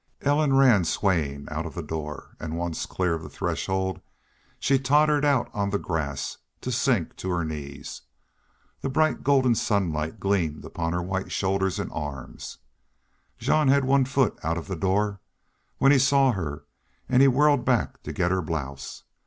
Ellen ran swaying out of the door, and, once clear of the threshold, she tottered out on the grass, to sink to her knees. The bright, golden sunlight gleamed upon her white shoulders and arms. Jean had one foot out of the door when he saw her and he whirled back to get her blouse.